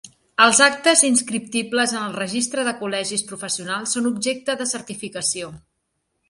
Els actes inscriptibles en el Registre de col·legis professionals són objecte de certificació.